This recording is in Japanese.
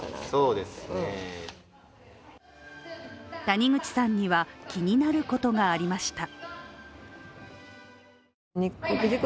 谷口さんには気になることがありました。